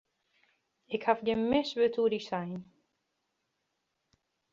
Ik haw gjin mis wurd oer dy sein.